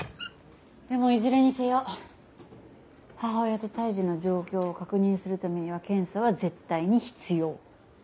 でもいずれにせよ母親と胎児の状況を確認するためには検査は絶対に必要。